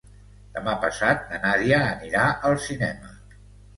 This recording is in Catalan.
Demà passat na Nàdia anirà al cinema.